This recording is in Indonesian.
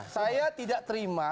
saya tidak terima